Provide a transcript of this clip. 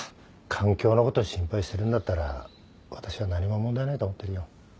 環境のこと心配してるんだったら私は何も問題ないと思ってるよ。